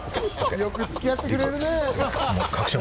よくつき合ってくれるね。